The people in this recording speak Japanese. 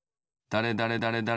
だれだれだれだれ